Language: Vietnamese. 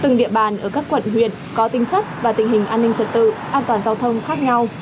từng địa bàn ở các quận huyện có tính chất và tình hình an ninh trật tự an toàn giao thông khác nhau